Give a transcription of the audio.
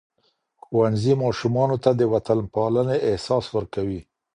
ښوونځي ماشومانو ته د وطنپالنې احساس ورکوي.